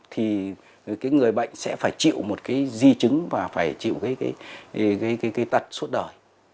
thì người bệnh sẽ phải chịu một cái di chứng và phải chịu cái tật suốt đời